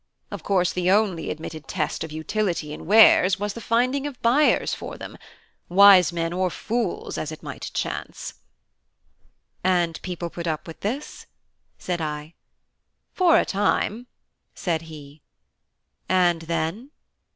Of course the only admitted test of utility in wares was the finding of buyers for them wise men or fools, as it might chance." "And people put up with this?" said I. "For a time," said he. "And then?"